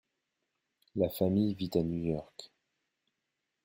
La famille vit à New York.